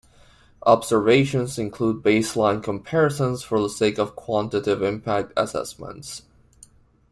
Observations include baseline comparisons for the sake of quantitative impact assessments.